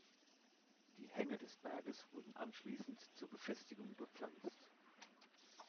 Die Hänge des Berges wurden anschließend zur Befestigung bepflanzt.